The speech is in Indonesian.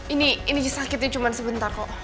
ini sakitnya cuma sebentar kok